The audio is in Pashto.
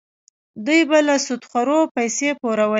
دوی به له سودخورو پیسې پورولې.